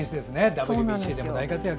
ＷＢＣでも大活躍。